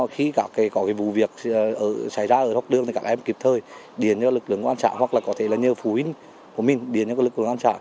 khi các có vụ việc xảy ra ở góc đường thì các em kịp thời điền cho lực lượng công an xã hoặc là có thể là nhờ phụ huynh của mình điền cho lực lượng công an xã